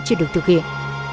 chưa được thực hiện